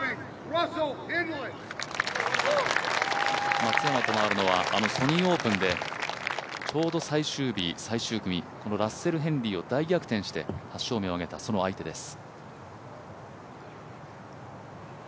松山と回るのはソニーオープンでちょうど最終日最終組、ラッセル・ヘンリーを大逆転して８勝目を挙げた、その相手です。